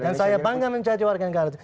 dan saya bangga menjadi warga negara